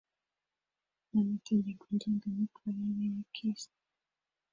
n amategeko ngengamikorere ya kist